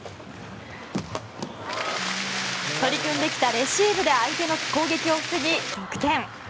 取り組んできたレシーブで相手の攻撃を防ぎ逆転。